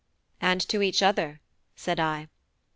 "And to each other," said I.